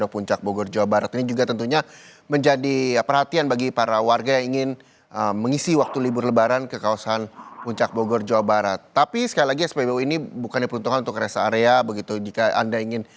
pembangunan pembangunan pasok bogor sudah melakukan penyelamatkan